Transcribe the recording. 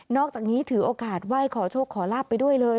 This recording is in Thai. อกจากนี้ถือโอกาสไหว้ขอโชคขอลาบไปด้วยเลย